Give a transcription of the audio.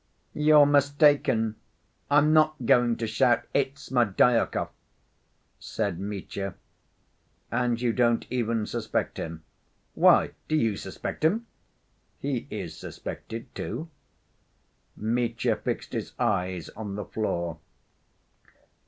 "You're mistaken. I'm not going to shout 'It's Smerdyakov,' " said Mitya. "And you don't even suspect him?" "Why, do you suspect him?" "He is suspected, too." Mitya fixed his eyes on the floor.